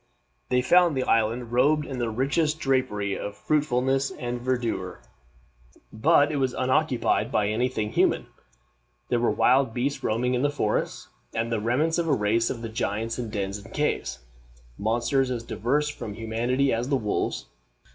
They found the island robed in the richest drapery of fruitfulness and verdure, but it was unoccupied by any thing human. There were wild beasts roaming in the forests, and the remains of a race of giants in dens and caves monsters as diverse from humanity as the wolves.